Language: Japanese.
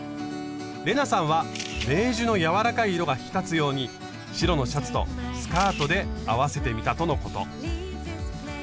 玲奈さんはベージュの柔らかい色が引き立つように白のシャツとスカートで合わせてみたとのこと。